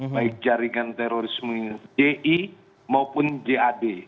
baik jaringan terorisme ji maupun jad